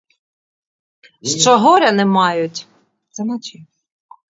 Що горя не мають.